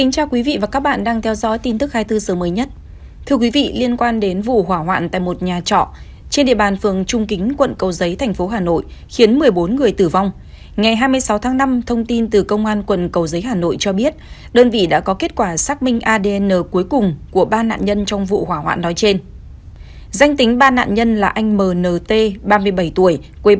chào mừng quý vị đến với bộ phim hãy nhớ like share và đăng ký kênh của chúng mình nhé